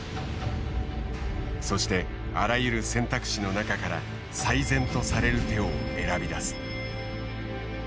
そしてあらゆる選択肢の中から最善とされる手を選び出す。